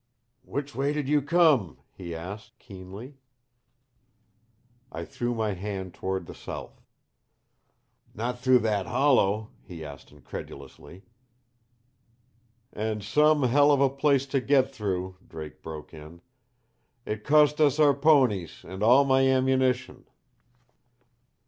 "Which way did you come?" he asked, keenly. I threw my hand toward the south. "Not through that hollow?" he asked incredulously. "And some hell of a place to get through," Drake broke in. "It cost us our ponies and all my ammunition."